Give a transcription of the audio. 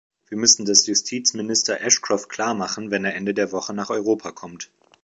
Wir müssen das Justizminister Ashcroft klarmachen, wenn er Ende der Woche nach Europa kommt.